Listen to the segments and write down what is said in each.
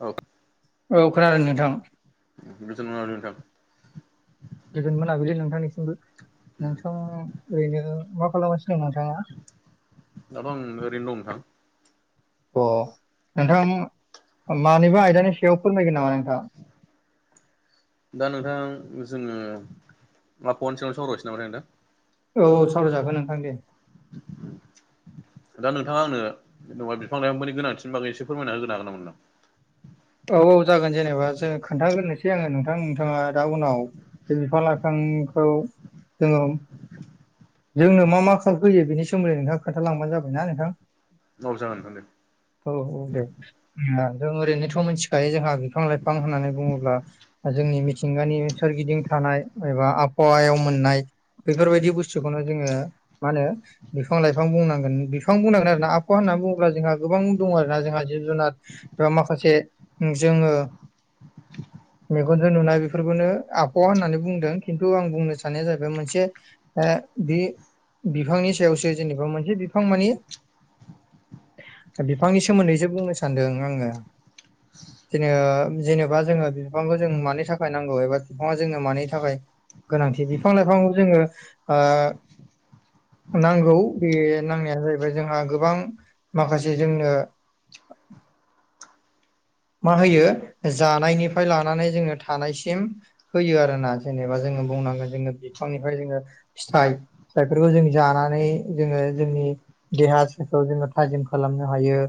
औ औ खोनादों नोंथां गोजोन मोनाबिलि नोंथां गोजोन मोनाबिलि नोंथांनिसिमबो नोंथां दाथ' ओरैनो मा खालामगासिनो दं नोंथाङा आं ओरैनो अ नोंथां मानिबा आयदानि सायाव फोरमायगोन नामा नोंथाङा दा नोंथां जोङो मा [unintelligible] सावहरायहैसै नामाथाय नोंथां औ सावरायजागोन नोंथां दे दा नोंथाङा आंनो जेनेबा बिफां लाइफांनि गोनांथिनि बागै एसे फोरमायना होनो हागोन नामा नोंथां औ औ जागोन जेनेबा जों खोनथाग्रोनोसै आङो नोंथां नोंथाङा दा उनाव बे बिफां लायफांखौ जोङो जोंनो मा मा [unintelligible] होयो बेनिथाङा खोनथालांबानो जाबाय नोंथां औ जागोन नोंथां दे औ औ दे जों ओरैनोथ मिथिखायो जोंहा बिफां लाइफां होननानै बुङोब्ला जोंनि मिथिंगानि सोरगिदिं थानाय एबा आबहावायाव मोननाय बेफोरबायदि बुस्थुखौनो जोङो मा होनो बिफां लाइफां बुंनांगोन बिफां बुंनांगोन आरोना आबहावा होन्नानै बुङोब्ला जोंहा गोबां दङ आरोना जोंहा जिब जुनार एबा माखासे जोङो मेगनजों नुनाय बेफोरखौनो आबहावा होननानै बुंदों खिन्थु आं बुंनो साना जाहैबाय मोनसे ओ बे बिफांनि सायावसो जेनेबा मोनसे बिफां माने बिफांनि सोमोन्दैसो बुंनो सानदों आङो जोङो जेनेबा जोङो बिफांखौ जों मानि थाखाय नांगौ एबा बिफाङा जोंनो मानि थाखाय गोनांथि बिफां लाइफांखौ जोङो आ नांगौ बे नांनाया जाहैबाय जोंहा गोबां माखासे जोंनो मा होयो जानायनिफ्राय लानानै जोङो थानायसिम होयो आरोना जेनेबा जोङो बुंनांगोन जोङो बिफांनिफ्राय जोङो फिथाइ फिथाइफोरखौ जों जानानै जोङो जोंनि देहाखौ जोङो थाजिम खालामनो हायो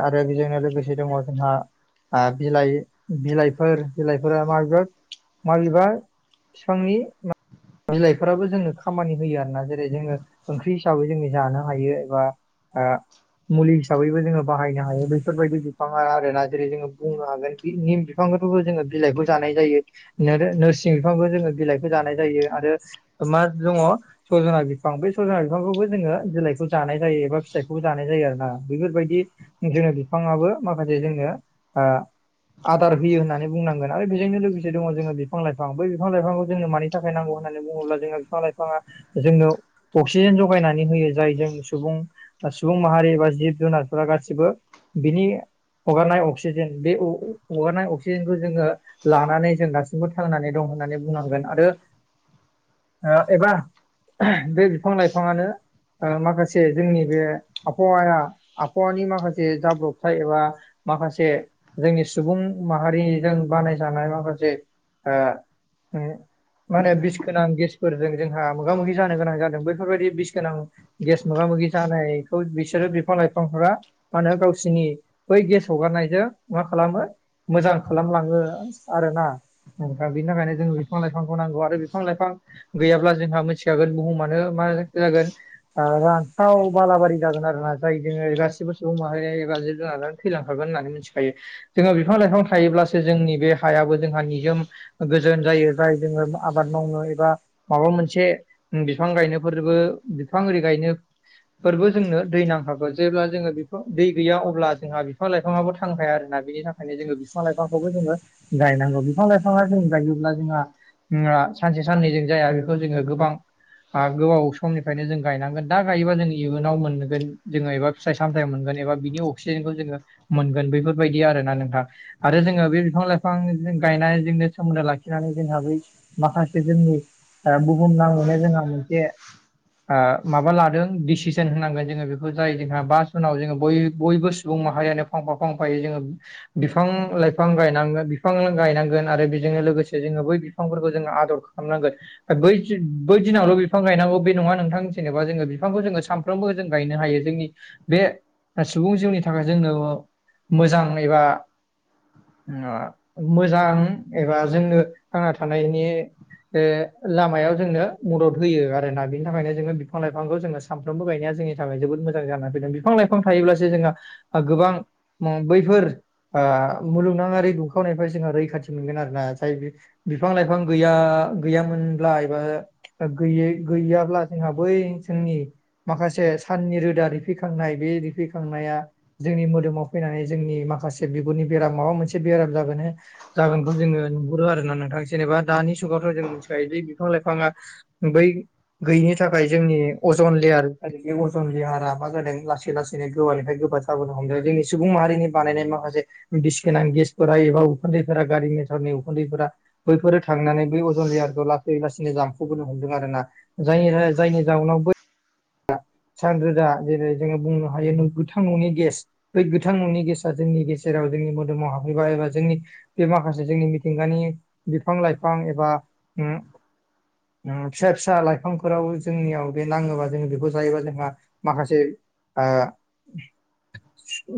आरो बेजोंनो लोगोसे दङ जोंहा आ बिलाइ बिलाइफोर बिलाइफोरा माबेबा माबेबा फिफांनि मा बिलाइफोराबो जोंनो खामानि होयो आरोना जेरै जोङो ओंख्रि हिसाबै जोंङो जानो हायो एबा आ मुलि हिसाबैबो जोङो बाहायनो हायो बेफोरबायदि बिफाङा आरोना जेरै जोङो बुंनो हागोन बे निम बिफांखौथ जोङो बिलाइखौ जानाय जायो आरो नोरसिं बिफांबो जोङो बिलाइखौ जानाय जायो आरो मा दङ सजना बिफां बे सजना बिफांखौबो जोङो बिलाइखौ जानाय जायो एबा फिथाइखौबो जानाय जायो आरो ना बेफोरबादि। जोंनो बिफाङाबो माखासे जोङो आओ आदार होयो होननानै बुंनांगोन आरो बेजोंनो लोगोसे दङ जोङो बिफां लाइफां बै बिफां लाइफांखौ जोंनो माने थाखाय नांगौ होननानै बुङोब्ला जोंहा बिफां लाइफाङा जोंनानो। अक्सिजेन जगायनानै होयो जाय जों सुबुं सुबुं माहारि एबा जिब जुनारफोरा गासिबोओ बिनि हगारनाय अक्सिजेन बे हगारनाय अक्सिजेनखौ जोङो लानानै जों दासिमबो थांनानै दं होननानै बुंनांगोन आरो। एबा बे बिफां लाइफाङानो ओ माखासे जोंनि बे आबहावायाबो आबहावानि माखासे जाब्रबथाय एबा माखा से जोंनि सुबुं माहारिजों बानायजानाय माखासे आ उम। मान होने बिस गोनां गेसफोरजों जोंहा मोगा मोगि जानो गोनां जादों बैफोरबादि बिस गोनां। गेस मोगा मोगि जानायखौ बिसोरो बिफां-लाइफांफोरा मा होनो गावसिनि बै गेस हगारनायो बेजों मा खालामो मोजां खालामलाङो आरो ना। दा बिनि थाखायनो जों बिफां लाइफांखौ नांगौ आरो बिफां-लाइफां गैयाब्ला जोंहा मिथिखागोन बुहुमानो मा जागोन ओ रान्थाब बालाबारि जागोन आरोना जाय जोङो गासिबो सुबुं माहारियानो जानानै थैलांखागोन होननानै मिथियो। मिथिखायो जोङहा बिफां लाइफां थायोब्लासो जोंनि बे हायाबो जोंहा निजोमा गोजोन जायो जाय जोङो आबाद मावनो एबा माबा मोनसे बिफां गायनोफोरबो बिफां आरि गायनो फोरबो जोंनो दै नांखागौ जेब्ला जोङो बि दै गैया अब्ला जोंहा बिफां-लाइफाङाबो। थांखाया आरोना बेनि थाखायनो जोङो बिफां-लाइफांखौबो जोङो गायनांगौ बिफां-लाइफाङा जों गायोब्ला जोंहा सानसे साननैजों जाया बेखौ जोङो गोबां। गोबाव समनिफ्रायनो जों गायनांगोन दा गायोबा जों इयुनाव मोनगोन जोङो एबा ओ फिथाइ-सामथाय‌मोनगोन एबा बिनि अक्सिजेनखौ जोङो मोनगोन बेफोरबादि आरो ना नोंथा। आरो जोङो बे बिफां-लाइफां गायनायजोंनो सोमोन्दो लाखिनानै जोंहा बै माखासे जोंनि बुहुम नाङैनो जोंहा मोनसे माबा लादों डिसिसन होनांगोन जोङो बेखौ जाय जोंहा बा जुनाव जोङो बय बयबो सुबुं माहारियानो। फांफा फांफायो जोङो। बिफां-लाइफां गायनांगोन बिफां गायनांगोन आरो बेजोंनो लोगोसे जोङो बै बिफांफोरखौ जोङो आदर खालामो। खालामनांगोन बै बै दिनावल' बिफां गायनांगौ बे नङा नोंथां जेनेबा जोङो बिफांखौ जो सानफ्रोमबो। सानफ्रोमबो जों गायनो हायो जोंनि बे सुबुं जिउनि थाखाय जोंनिनो मोजां एबा मोजां एबा जोंनो थांना थानायनिओ। बे लामायाव जोंनो मदद होयो आरो ना बिनि थाखायनो जोङो बिफां-लाइफांखौ जोङो। सानफ्रोमबो गायनाया जोंनि थाखाय जोबोद मोजां जानानै फैदों बिफां-लाइफां थायोब्लासो जोंहा गोबां बैफोर मुलुगनाङारि दुंखावनायफ्राय जोङो रैखाथि मोनगोन आरोना जायो बिफां लाइफां गैया गैयामोनब्ला एबा। गैयै गैयाब्ला जोंहा बै जोंनिओ माखासे साननि रोदा रिफिखांनाय बे रिफिखांनाया जोंनि मोदोमावो फैनानै जोंनि माखासे बिगुरनि बेराम माबा मोनसे बेराम जागोन होना जागोनखौ जोङो नुहुरो आरो ना नोंथां जेनेबा दानि जुगावथ' जों मिथिखायो बे बिफां-लाइफाङा बै गैयिनि थाखाय जोंनि अजन लेयार आरो बे अजन लेयारा मा जादों लासै लासैनो गोबानिफ्राय गोबा जाबोदों। बोनो हमदों जोंनि सुबुं माहारिनि बानायनाय माखासे ओ बिसि गोनां गेसफोरा एबा उखुन्दैफोरा गारि मथरनि उखुन्दैफोरा बैफोरो थांनानै बै अजन लेयारखौ लासै लासैनो जाम्फौबोनो हमदों आरो ना। जायनि जायनि जाउनाव बै सान रोदा जेरै जोङो बुंनो हायो गोथां न'नि गेस बै गोथां न'नि गेसा जोंनि गेजेराव जोंनि मोदोमाव हाबहैबा एबा जोंनि बे माखासे जोंनि मिथिंगानि बिफां लाइफां एबा फिसा फिसा लाइफांफोराव जोंनियाव बे नाङोबा जोङो बेखौ जायोबा जोंहा माखासे आ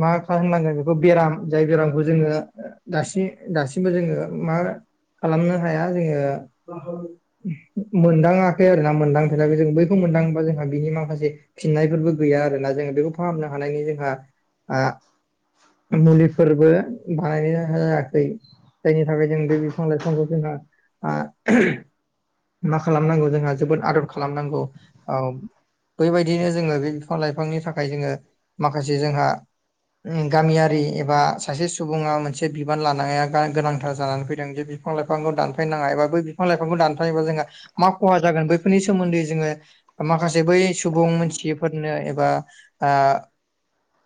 मा खालाम होननांगोन बेखौ बेराम जाय बेरामखौ जोङो दासिम दासिमबो जोङो मा खालामनो हाया जोङो मोनदाङाखै आरो ना मोनदांफेराखै जों बैखौ मोनदां बा जोंहा बिनि माखासे फिननायफोरबो गैया आरोना जोङो बेखौ फाहामनो हानायनि जोंहा आं मुलिफोरबो बानायनो जायाखै जायनि थाखाय जों बे बिफां लाइफांखौ जोंहा मा खालामनांगौ जोंहा जोबोद आबोद खालामनांगौ औ बैबायदिनो जोङो बे बिफां लाइफांनि थाखाय जोङो माखासे जोंहा ओम गामियारि एबा सासे सुबुङा मोनसे बिबान लानाया गोनांथार जानानै फैदों जे बिफां लाइफांखौ दानफायनाङा एबा बै बिफां लाइफांखौ दानफायबा जोंहा मा खहा जागोन बैफोरनि सोमोन्दै जोङो माखासे बै सुबुं मोनथियैफोरनो एबा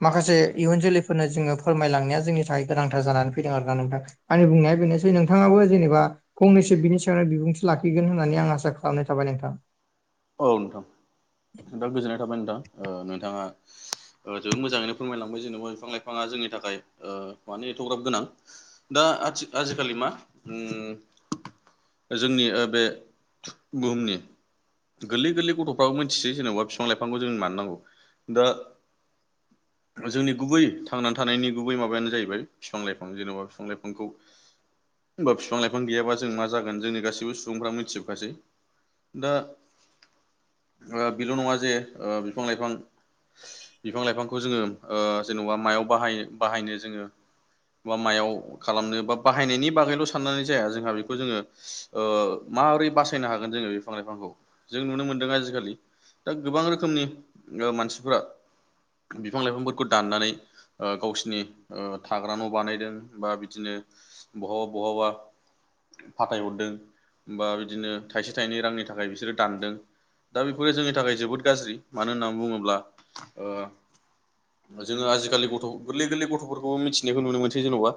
माखासे इयुन जोलै फोरनो जोङो फोरमायलांनाया जोंनि थाखाय गोनांथार जानानै फैदों आरोना नोंथां आंनि बुंनाया बेनोसै नोंथाङाबो जेनेबा फंनैसो बिनि सायाव बिबुंथि लाखिगोन होननानै आं आसा खालामनाय थाबाय नोंथां औ नोंथां दा गोजोननाय थाबाय नोंथां नोंथाङा जोबो मोजाङैनो फोरमायलांबाय जेनेबा बिफां लाइफाङा जोंनि थाखाय मानो एथग्राब गोनां दा आथि आजिखालि मा जोंनि ओ बे बुहुमनि गोरलै गोरलै गथ'फ्राबो मिन्थिसै जेनेबा बिफां लाइफांखौ जों मानो नांगौ दा [inaudible] जोंनि गुबै थांनानै थानायनि गुबै माबायानो जाहैबाय बिफां लाइफां जेन'बा बिफां लाइफांखौ होमबा फिफां लाइफां गैयाबा जों मा जागोन जोंनि गासैबो सुबुंफ्रा मिथिजोबखासै दा आ बेल' नङा जे बिफां लाइफां बिफां लाइफांखौ जोङो जेन'बा मायाव बाहाय बाहायनो जोङो बा मायाव खालामनो बा बाहायनायनि बागैल' साननानै जाया जोंहा बेखौ जोङो ओ माबोरै बासायनो हागोन जोङो बिफां लाइफांखौ जों नुनो मोनदों आजिखालि दा गोबां रोखोमनि मानसिफोरा बिफां लाइफांफोरखौ दाननानै ओ गावसिनि थाग्रा न' बानायदों बा बिदिनो बहाबा बहाबा फाथायहरदों बा बिदिनो थाइसे थाइनै रांनि थाखाय बिसोरो दानदों दा बेफोरो जोंनि थाखाय जोबोद गाज्रि मानो होननानै बुङोब्ला जोङो आजिखालि गथ' गोरलै गोरलै गथ'फोरखौबो मिथिनायखौ नुनो मोनसै जेन'बा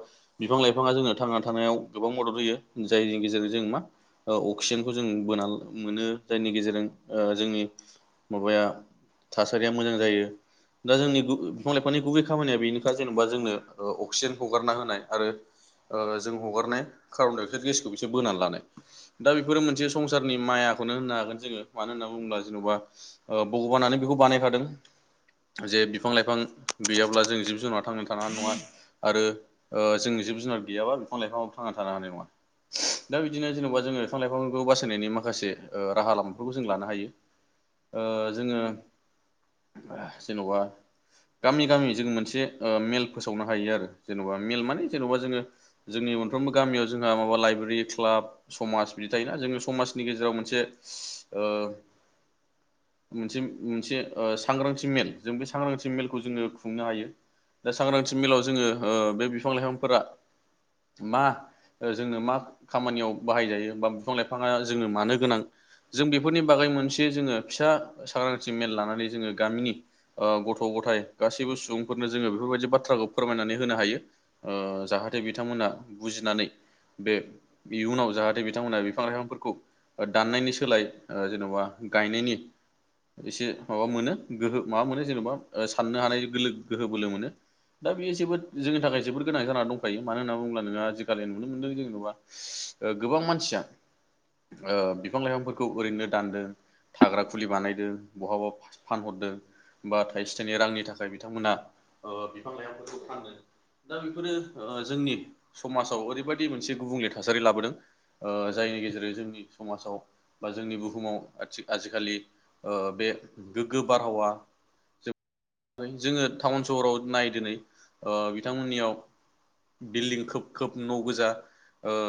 बिफां लाइफाङा जोंनो थांना थानायाव गोबां मदद होयो जायनि गेजेरजों जों मा अक्सिजेनखौ जों बोना मोनो जायनि गेजेरजों जोंनि माबाया थासारिया मोजां जायो दा जोंनि बिफां लाइफांनि गुबै खामानिया बेनोखा जेनेबा जोंनो अक्सिजेन हगारना होनाय आरो जों हगारनाय कार्बनडाय अक्साइद गेसखौ बिसोर बोनानै लानाय दा बेफोरो मोनसे संसारनि मायाखौनो होनो आरो गोन जोङो मानो होनना बुङोब्ला जेन'बा भगबानानो बेखौ बानायखादों जे बिफां लाइफां गैयाब्ला जों जिब जुनार थांनानै थानो हानाय नङा आरो ओ जोंनि जिब जुनार गैयाबा बिफां लाइफाङाबो थांना थानो हानाय नङा दा बिदिनो जेन'बा जोङो बिफां लाइफांखौ बासायनायनि माखासे ओ राहा लामाफोरखौ जों लानो हायो ओ जोङो जेन'बा गामि गामि जों मोनसे ओ मेल फोसावनो हायो आरो जेन'बा मेल माने जेन'बा जोङो जोंनि मोनफ्रोमबो गामियाव जोंहा माबा लाइब्रेरि क्लाब समाज बिदि थायोना जोङो समाजनि गेजेराव मोनसे ओ मोनसे मोनसे सांग्रांथि मेल जों बे सांग्रांथि मेलखौ जोङो खुंनो हायो। दा सांग्रांथि मेलाव जोङो ओ बे बिफां लाइफांफोरा मा जोंनो मा खामानियाव बाहायजायो बा बिफां लाइफाङा जोंनो मानो गोनां? जों बेफोरनि बागै मोनसे जोङो फिसा सांग्रांथि मेल लानानै जोङो गामिनि ओ गथ' गथाय गासैबो सुबुंफोरनो जोङो बेफोरबायदि बाथ्राखौ फोरमायनानै होनो हायो। ओ जाहाथे बिथांमोना बुजिनानै बे इयुनाव जाहाथे बिथांमोना बिफां लाइफांफोरखौ दान्नायनि सोलाय ओ जेनबा गायनायनि एसे माबा मोनो गोहो माबा मोनो जेनेबा साननो हानाय गोलो गोहो बोलो मोनो। दा बेयो जोबोद जोंनि थाखाय जोबोर गोनां जाना दंखायो मानो होनना बुङोब्ला जोङो आजिखालि नुनो मोनदों जेनेबा ओ गोबां मानसिया ओ बिफां लाइफांफोरखौ ओरैनो दानदों। थाग्रा खुलि बानायदों बहाबा फानहरदों। बा थाइसे थाइनै रांनि थाखाय बिथांमोना ओ बिफां लाइफांफोरखौ फानदों। दा बेफोरो जोंनि समाजाव ओरैबायदि मोनसे गुबुंले थासारि लाबोदों। ओ जायनि गेजेरजों जोंनि समाजाव बा जोंनि बुहुमाव आथि आजिखालि ओ बे गोग्गो बारहावा जोङो टाउन सहराव नाय दिनै ओ बिथांमोननियाव बिल्दिं खोब खोब न' गोजा ओ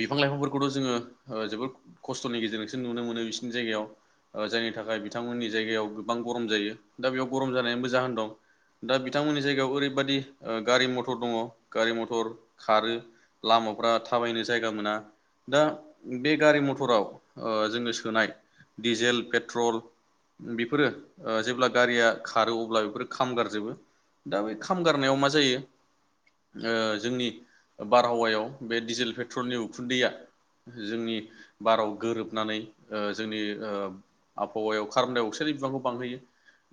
बिफां लाइफांफोरखौथ जोङो जोबोर खस्थनि गेजेरजोंसो नुनो मोनो बिसिनि जायगायाव। ओ जायनि थाखाय बिथांमोननि जायगायाव गोबां गरम जायो दा बेयाव गरम जानायनिबो जाहोन दं। दा बिथांमोननि जायगायाव ओरैबायाददि ओ गारि मथर दङ गारि मथर खारो। लामाफ्रा थाबायनो जायगा मोना। दा बे गारि मथराव जोङो सोनाय डिजेल पेट्रल। बेफोरो ओ जेब्ला गारिया खारो अब्ला बेफोर खाम गारजोबो दा बे खामगारनायाव मा जायो? ओ जोंनि बारहावायाव बे डिजेल पेट्रलनि उखुन्दैया जोंनि बाराव गोरोबनानै ओ जोंनि ओ आबहावायाव खारबनदाय अकसाइदनि बिबांखौ बांहोयो।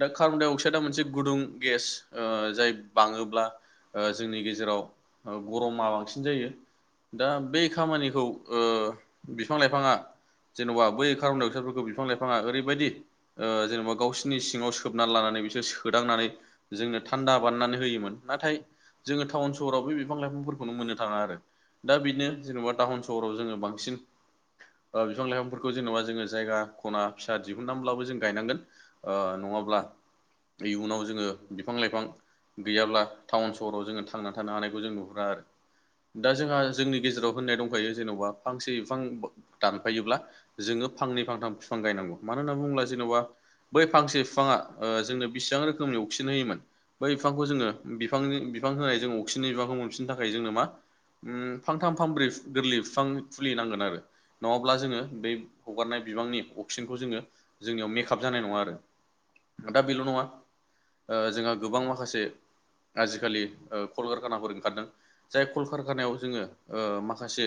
दा कार्बनडाइ अक्साइडआ मोनसे गुदुं गेस ओ जाय बाङोब्ला ओ जोंनि गेजेराव गरमा बांसिन जायो। दा बै खामानिखौ ओ बिफां लाइफाङा जेनबा बै कार्बनडाय अक्साइदफोरखौ बिफां लाइफाङा ओरैबायदि जेनबा ओ गावसिनि सिङाव सोबना लानानै बिसोर सोदांनानै जोंनो थान्दा बानायनानै होयोमोन नाथाय जोङो टाउन सहराव बे बिफां लाइफांफोरखौनो मोननो थाङा आरो। दा बेनो जेनेबा टाउन सहराव जोङो बांसिन बिफां लाइफांफोरखौ जेनबा जोङो जायगा खना फिसा दिहुननानैब्लाबो जों गायनांगोन। ओ नङाब्ला इयुनाव जोङो बिफां लाइफां गैयाब्ला टाउन सहराव जोङो थांनानै थानो हानायखौ जों नुहुरा आरो। दा जोंहा जोंनि गेजेराव होननाय दंखायो जेन'बा फांसे बिफां दानफायोब्ला जोङो फांनै फांथाम बिफां गायनांगौ मानो होनना बुङोब्ला जेनबा बै फांसे बिफाङा ओ जोंनो बेसेबां रोखोमनि अक्सिजेन होयोमोन बै बिफांखौ जोङो बिफांनि बिफां होनाय जों अक्सिजेननि बिफांखौ मोनफिननो थाखाय जोंनो मा फांथाम फांब्रै गोरलै बिफां फुलि नांगोन आरो। नङाब्ला जोङो बै हगारनाय बिबांनि अक्सिजेनखौ जोङो जोंनियाव मेकाप जानाय नङा आरो। दा बेल नङा ओ जोंहा गोबां माखासे आजिखालि कलकारखानाफोर ओंखारदों। जाय कलकारखानायाव जोङो ओ माखासे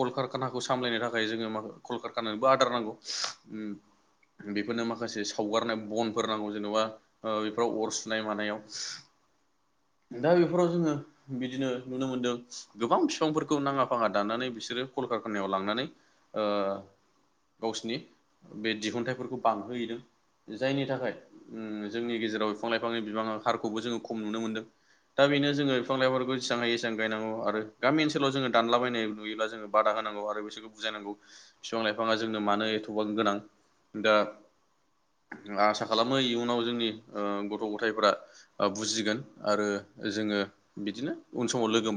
कलकारखानाखौ सामलायनो थाखाय जोङो मा कलकारखानानोबो आदार नांगौ। बेफोरनो माखासे सावगारनाय बन फोर नांगौ ओ जेनबा बेफोराव अर सुनाय मानायाव दा बेफोराव जोङो बिदिनो नुनो मोनदों गोबां बिफांफोरखौ नाङा फाङा दाननानै बिसोरो कलकारखानायाव लांनानै ओ गावसिनि बे दिहुनथाइफोरखौ बांहोहैदों जायनि थाखाय जोंनि गेजेराव बिफां लाइफांनि बिफाङा हारखौबो जोङो खम नुनो मोनदों। दा बेनो जोङो बिफां लाइांफोरखौ जसेबां हायो एसेबां गायनांगौ आरो गामि ओनसोलाव जोङो दानलाबायनाय नुयोब्ला जोङो बादा होनांगौ आरो बिसोरखौ बुजायनांगौ फिफां लाइफाङा जोंनो मानो एथ'बा गोनां दा आसा खालामो इयुनाव जोंनि गथ' गथायफोरा ओ बुजिगोन आरो जोङो बिदिनो उन समाव लोगो